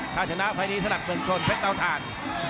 ถ้าชนะไปนี้สนับเตือนชนเพชรเตาทาน